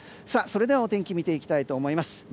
それではお天気見ていきたいと思います。